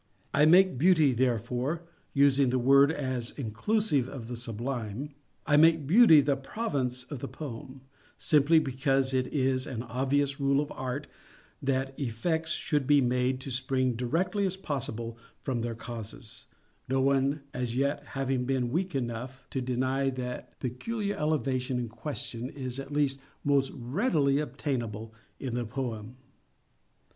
I make Beauty, therefore—using the word as inclusive of the sublime—I make Beauty the province of the poem, simply because it is an obvious rule of Art that effects should be made to spring as directly as possible from their causes:—no one as yet having been weak enough to deny that the peculiar elevation in question is at least _most readily _attainable in the poem.